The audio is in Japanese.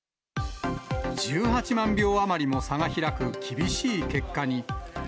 １８万票余りも差が開く厳しい結果に。